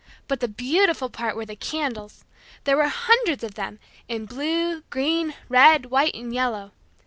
But the beautiful part were the candles. There were hundreds of them in blue, green, red, white and yellow.